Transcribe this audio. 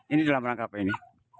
ini dalam rangka apa ini